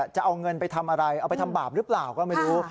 จะเอาเงินไปทำอะไรเอาไปทำบาปหรือเปล่าก็ไม่รู้